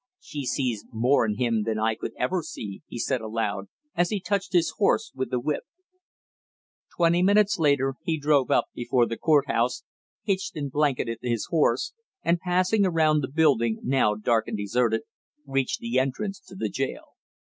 "She sees more in him than I could ever see!" he said aloud, as he touched his horse with the whip. Twenty minutes later he drove up before the court house, hitched and blanketed his horse, and passing around the building, now dark and deserted, reached the entrance to the jail.